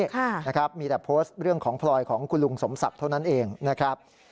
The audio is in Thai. ค่ะนะครับมีแต่โพสต์เรื่องของพลอยของคุณลุงสมศักดิ์เท่านั้นเองนะครับ